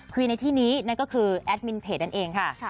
ในที่นี้นั่นก็คือแอดมินเพจนั่นเองค่ะ